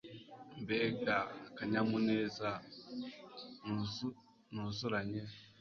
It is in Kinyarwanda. mbega akanyamuneza nuzuranye